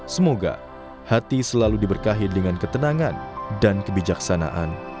semoga hati selalu diberkahi dengan ketenangan dan kebijaksanaan